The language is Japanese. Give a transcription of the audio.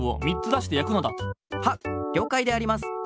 はっりょうかいであります。